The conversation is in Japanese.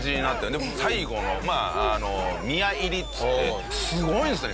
で最後の宮入っつってすごいんですね